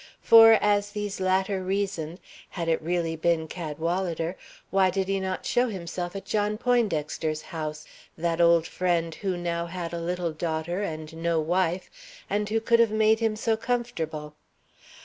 For, as these latter reasoned, had it really been Cadwalader, why did he not show himself at John Poindexter's house that old friend who now had a little daughter and no wife and who could have made him so comfortable?